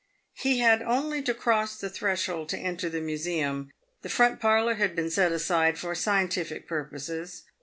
He had only to cross the threshold to enter the museum. The front parlour had been set aside for scientific purposes.